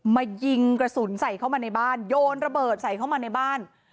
มายิงกระสุนใส่เข้ามาในบ้านโยนระเบิดใส่เข้ามาในบ้าน